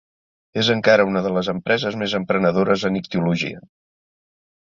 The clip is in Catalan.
És encara una de les empreses més emprenedores en ictiologia.